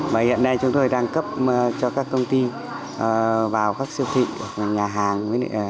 và hiện nay chúng tôi đang cấp cho các công ty vào các siêu thị nhà hàng